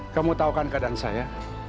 kamu tahu kan keadaan saya